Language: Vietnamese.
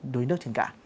đuối nước trên cạn